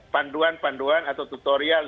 panduan panduan atau tutorial